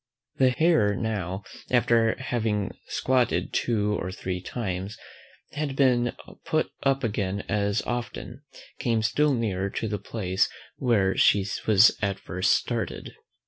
The hare now, after having squatted two or three times, and been put up again as often, came still nearer to the place where she was at first started.